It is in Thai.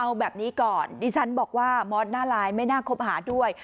เอาแบบนี้ก่อนดิฉันบอกว่ามอสหน้าไลน์ไม่น่าคบหาด้วย